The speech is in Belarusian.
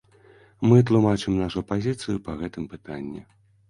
Мы тлумачым нашу пазіцыю па гэтым пытанні.